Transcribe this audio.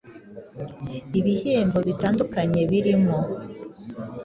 ibihembo bitandukanye birimo